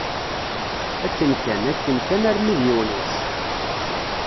Akken kan, akken kan, almi d yiwen wass.